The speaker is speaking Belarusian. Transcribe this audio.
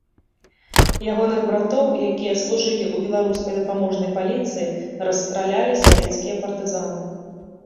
Ягоных братоў, якія служылі ў беларускай дапаможнай паліцыі, расстралялі савецкія партызаны.